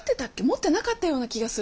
持ってなかったような気がする！」